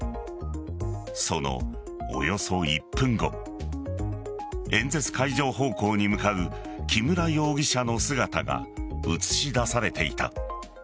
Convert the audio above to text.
そのおよそ１分後演説会場方向に向かう木村容疑者の姿が映し出されていた。